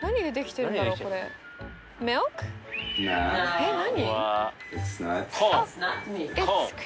えっ何？